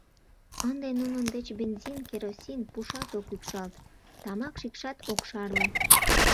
Ынде нунын деч бензин, керосин пушат ок ӱпшалт, тамак шикшат ок шарле.